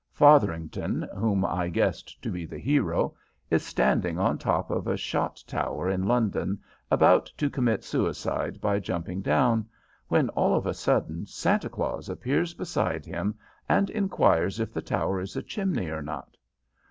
Fotherington, whom I guessed to be the hero, is standing on top of a shot tower in London, about to commit suicide by jumping down, when all of a sudden Santa Claus appears beside him and inquires if the tower is a chimney or not.